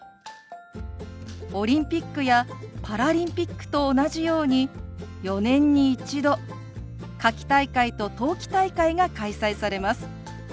オリンピックやパラリンピックと同じように４年に１度夏季大会と冬季大会が開催されます。